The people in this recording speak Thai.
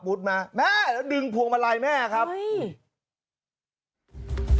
มาแม่แล้วดึงพวงมาลัยแม่ครับเฮ้ย